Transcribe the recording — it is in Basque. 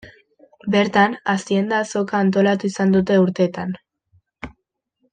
Bertan, azienda-azoka antolatu izan dute urteetan.